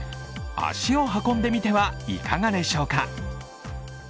足を運んでみてはいかがでしょうか。